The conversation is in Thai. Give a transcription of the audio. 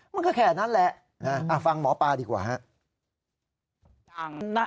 มันก็แค่นั้นแหละฟังหมอปลาดีกว่าฮะ